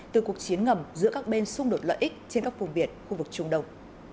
từ cuộc chiến ngầm giữa các bên xung đột lợi ích trên các vùng biển khu vực trung đông